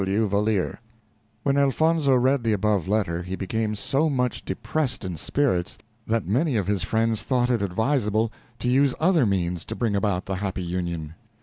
W. W. Valeer. When Elfonzo read the above letter, he became so much depressed in spirits that many of his friends thought it advisable to use other means to bring about the happy union.